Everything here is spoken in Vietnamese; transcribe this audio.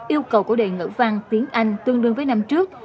yêu cầu của đề ngữ văn tiếng anh tương đương với năm trước